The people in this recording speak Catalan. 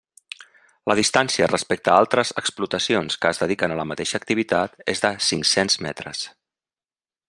La distància respecte a altres explotacions que es dediquen a la mateixa activitat és de cinc-cents metres.